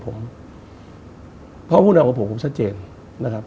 พี่น้องพอคุณเอาจริงกับผมผมชัดเจนนะครับ